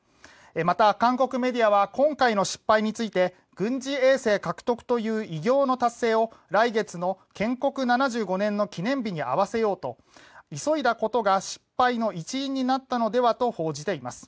また、韓国メディアは今回の失敗について軍事衛星獲得という偉業の達成を来月の建国７５年の記念日に合わせようと急いだことが失敗の一因になったのではと報じています。